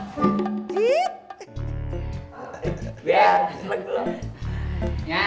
bukan begitu cium tangan nya